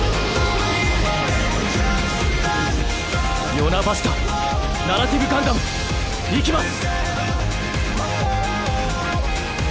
ヨナ・バシュタナラティブガンダム行きます！